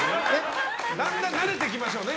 だんだん慣れてきましたね。